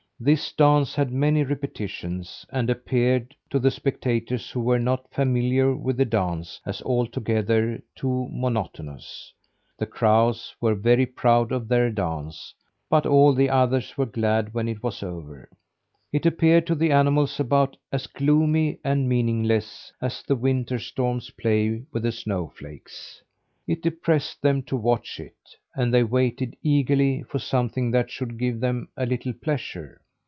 This dance had many repetitions, and appeared to the spectators who were not familiar with the dance as altogether too monotonous. The crows were very proud of their dance, but all the others were glad when it was over. It appeared to the animals about as gloomy and meaningless as the winter storms' play with the snow flakes. It depressed them to watch it, and they waited eagerly for something that should give them a little pleasure.